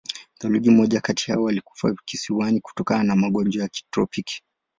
Theluji moja kati hao walikufa kisiwani kutokana na magonjwa ya kitropiki.